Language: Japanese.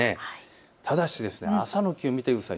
ただし、朝の気温を見てください。